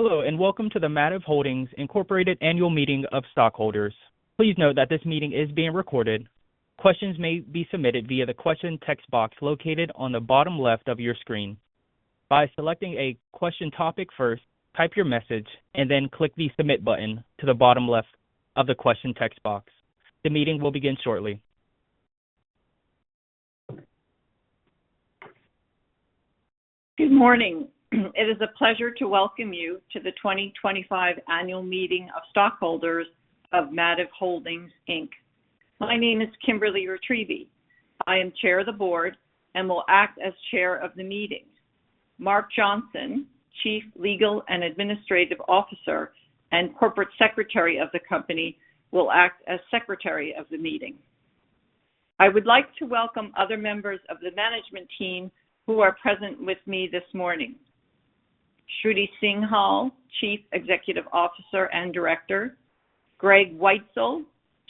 Hello and welcome to the Mativ Holdings Annual Meeting of Stockholders. Please note that this meeting is being recorded. Questions may be submitted via the question text box located on the bottom left of your screen. By selecting a question topic first, type your message and then click the Submit button to the bottom left of the question text box. The meeting will begin shortly. Good morning. It is a pleasure to welcome you to the 2025 Annual Meeting of Stockholders of Mativ Holdings, Inc. My name is Kimberly Ritrievi. I am Chair of the Board and will act as chair of the meeting. Mark Johnson, Chief Legal and Administrative Officer and Corporate Secretary of the company, will act as Secretary of the meeting. I would like to welcome other members of the management team who are present with me this morning. Shruti Singhal, Chief Executive Officer and Director, Greg Weitzel,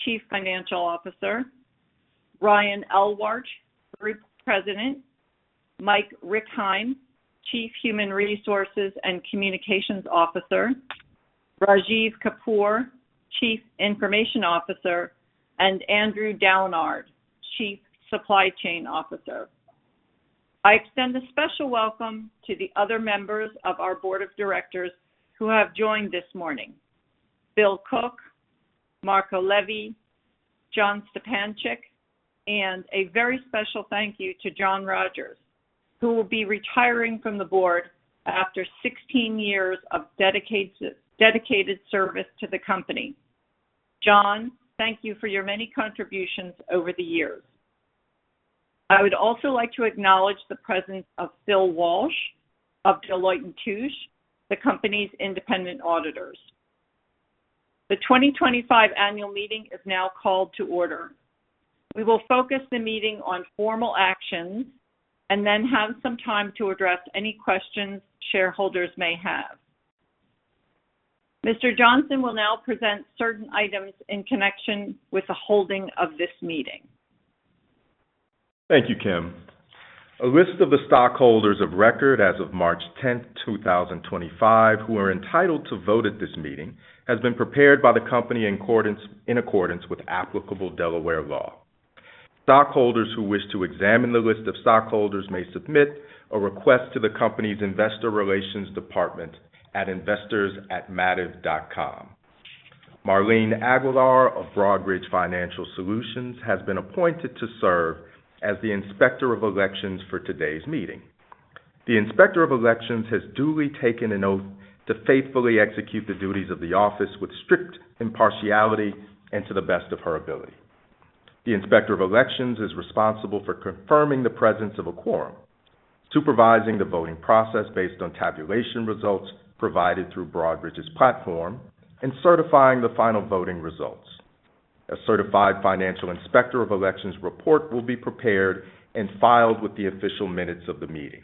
Chief Financial Officer, Ryan Elwart, Group President, Mike Rickheim, Chief Human Resources and Communications Officer, Rajeev Kapur, Chief Information Officer, and Andrew Downard, Chief Supply Chain Officer. I extend a special welcome to the other members of our Board of Directors who have joined this morning. Bill Cook, Marco Levi, John Stipancich. A very special thank you to John Rogers, who will be retiring from the board after 16 years of dedicated, dedicated service to the company. John, thank you for your many contributions over the years. I would also like to acknowledge the presence of Phil Walsh of Deloitte & Touche, the company's independent auditors. The 2025 Annual Meeting is now called to order. We will focus the meeting on formal actions and then have some time to address any questions shareholders may have. Mr. Johnson will now present certain items in connection with the holding of this meeting. Thank you, Kim. A list of the stockholders of record as of 10 March 2025 who are entitled to vote at this meeting has been prepared by the company in accordance with applicable Delaware law. Stockholders who wish to examine the list of stockholders may submit a request to the company's Investor Relations department at investors@mativ.com. Marlene Aguilar of Broadridge Financial Solutions has been appointed to serve as the Inspector of Elections for today's meeting. The Inspector of Elections has duly taken an oath to faithfully execute the duties of the office with strict impartiality and to the best of her ability. The Inspector of Elections is responsible for confirming the presence of a quorum, supervising the voting process based on tabulation results provided through Broadridge's platform, and certifying the final voting results. A certified financial Inspector of Elections report will be prepared and filed with the official minutes of the meeting.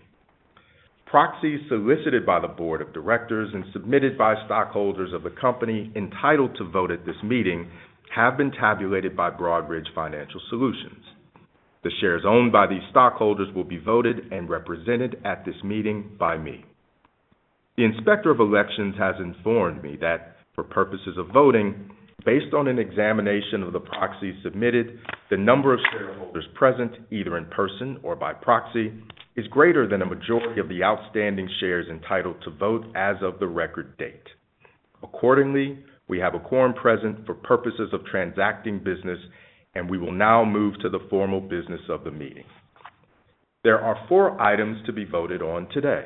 Proxies solicited by the Board of Directors and submitted by stockholders of the company entitled to vote at this meeting have been tabulated by Broadridge Financial Solutions. The shares owned by these stockholders will be voted and represented at this meeting by me. The Inspector of Elections has informed me that for purposes of voting, based on an examination of the proxies submitted, the number of shareholders present, either in person or by proxy, is greater than a majority of the outstanding shares entitled to vote as of the record date. Accordingly, we have a quorum present for purposes of transacting business and we will now move to the formal business of the meeting. There are four items to be voted on today.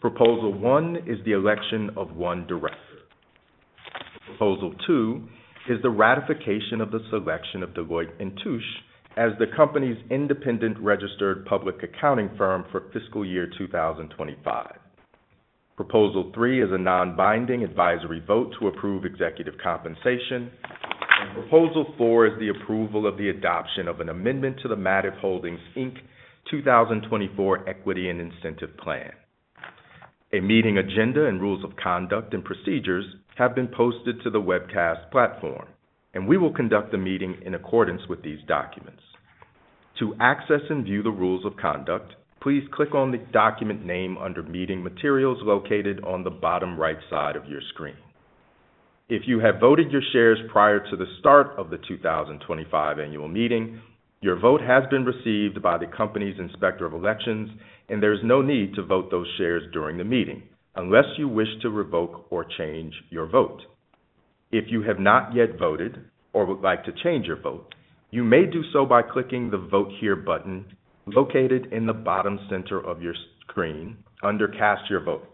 Proposal one is the election of one Director. Proposal two is the ratification of the selection of Deloitte & Touche as the company's independent registered public accounting firm for fiscal year 2025. Proposal three is a non-binding advisory vote to approve executive compensation. Proposal four is the approval of the adoption of an amendment to Mativ Holdings, Inc. 2024 Equity and Incentive Plan. A meeting agenda and rules of conduct and procedures have been posted to the webcast platform and we will conduct the meeting in accordance with these documents. To access and view the rules of conduct, please click on the document name under Meeting Materials located on the bottom right side of your screen. If you have voted your shares prior to the start of the 2025 Annual Meeting, your vote has been received by the company's Inspector of Elections and there's no need to vote those shares during the meeting unless you wish to revoke or change your vote. If you have not yet voted or would like to change your vote, you may do so by clicking the Vote Here button located in the bottom center of your screen under Cast Your Vote.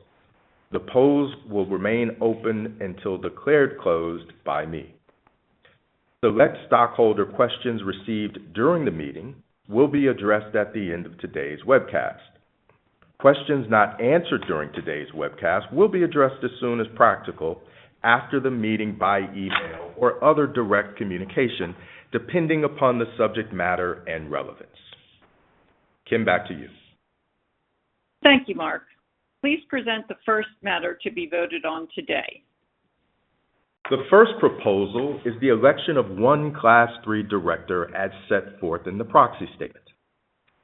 The polls will remain open until declared closed by me. Select stockholder questions received during the meeting will be addressed at the end of today's webcast. Questions not answered during today's webcast will be addressed as soon as practical after the meeting by email or other direct communication, depending upon the subject matter and relevance. Kim, back to you. Thank you. Mark, please present the first matter to be voted on today. The first proposal is the election of one Class III Director as set forth in the Proxy Statement.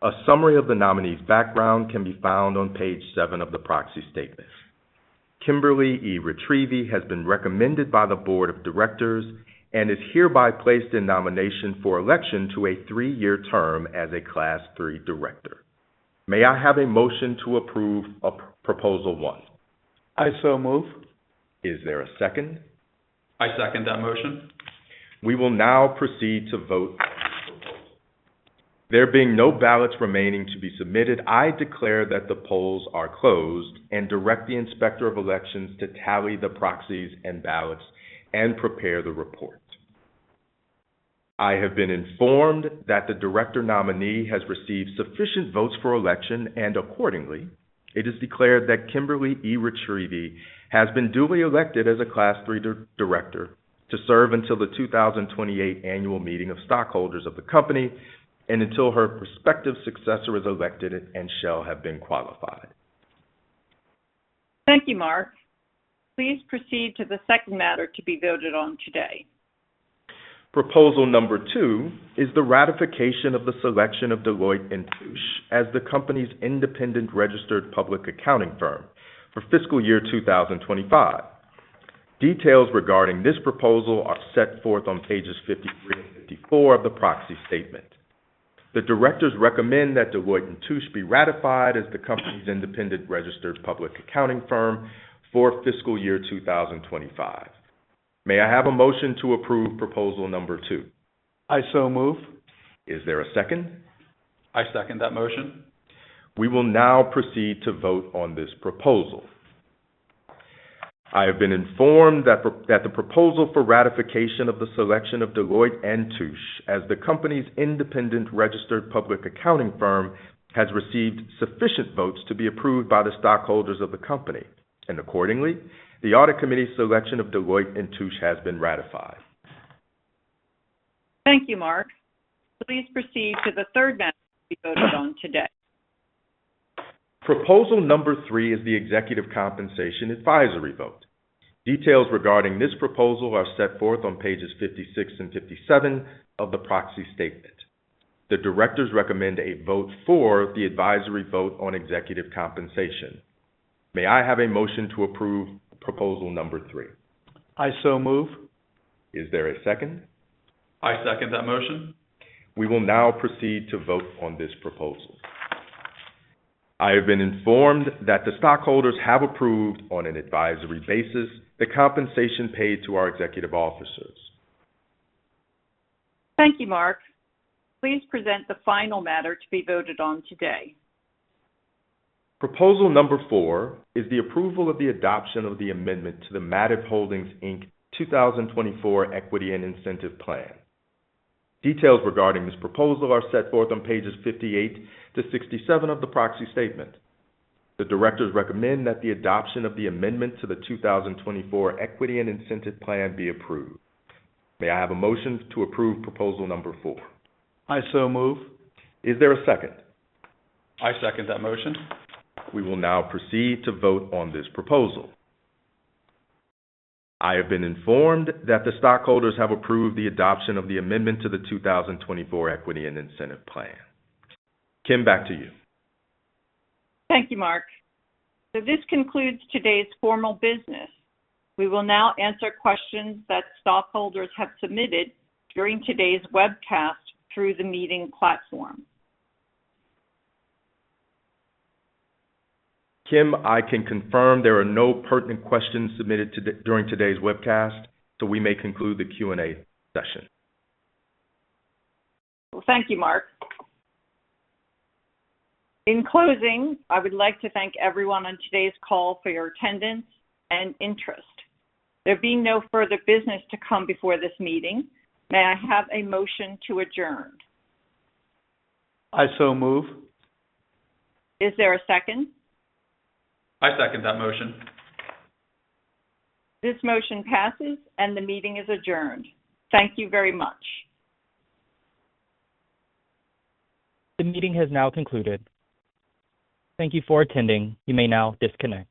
A summary of the nominee's background can be found on page seven of the Proxy Statement. Kimberly E. Ritrievi has been recommended by the Board of Directors and is hereby placed in nomination for election to a three year term as a Class III Director. May I have a motion to approve Proposal one. I so move. Is there a second? I second that motion. We will now proceed to vote. There being no ballots remaining to be submitted, I declare that the polls are closed and direct the Inspector of Elections to tally the proxies and ballots and prepare the report. I have been informed that the Director nominee has received sufficient votes for election and accordingly it is declared that Kimberly E. Ritrievi has been duly elected as a Class III Director to serve until the 2028 annual meeting of stockholders of the company and until her prospective successor is elected and shall have been qualified. Thank you, Mark. Please proceed to the second matter to be voted on today. Proposal number two is the ratification of the selection of Deloitte & Touche as the company's independent registered public accounting firm for fiscal year 2025. Details regarding this proposal are set forth on pages 53 and 54 of the proxy statement. The directors recommend that Deloitte & Touche be ratified as the company's independent registered public accounting firm for fiscal year 2025. May I have a motion to approve proposal number two? I so move. Is there a second? I second that motion. We will now proceed to vote on this proposal. I have been informed that the proposal for ratification of the selection of Deloitte & Touche as the company's independent registered public accounting firm has received sufficient votes to be approved by the stockholders of the company and accordingly, the Audit Committee's selection of Deloitte & Touche has been ratified. Thank you, Mark. Please proceed to the third matter we voted on today. Proposal number three is the executive compensation advisory vote. Details regarding this proposal are set forth on pages 56 and 57 of the Proxy Statement. The directors recommend a vote for the advisory vote on executive compensation. May I have a motion to approve proposal number three? I so move. Is there a second? I second that motion. We will now proceed to vote on this proposal. I have been informed that the stockholders have approved on an advisory basis the compensation paid to our executive officers. Thank you, Mark. Please present the final matter to be voted on today. Proposal number four is the approval of the adoption of the amendment to the Mativ Holdings 2024 Equity and Incentive Plan. Details regarding this proposal are set forth on pages 58 to 67 of the Proxy Statement. The directors recommend that the adoption of the amendment to the 2024 Equity and Incentive Plan be approved. May I have a motion to approve proposal number four? I so move. Is there a second? I second that motion. We will now proceed to vote on this proposal. I have been informed that the stockholders have approved the adoption of the amendment to the 2024 Equity and Incentive Plan. Kim, back to you. Thank you, Mark. This concludes today's formal business. We will now answer questions that stockholders have submitted during today's webcast through the meeting platform. Kim? I can confirm there are no pertinent questions submitted during today's webcast, so we may conclude the Q&A session. Thank you, Mark. In closing, I would like to thank everyone on today's call for your attendance and interest. There being no further business to come before this meeting, may I have a motion to adjourn? I so move. Is there a second? I second that motion. This motion passes, and the meeting is adjourned. Thank you very much. The meeting has now concluded. Thank you for attending. You may now disconnect.